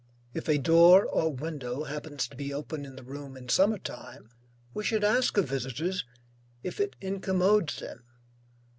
If a door or window happens to be open in the room in summer time, we should ask of visitors, if it incommodes them.